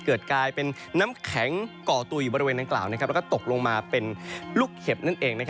กลายเป็นน้ำแข็งก่อตัวอยู่บริเวณดังกล่าวแล้วก็ตกลงมาเป็นลูกเห็บนั่นเอง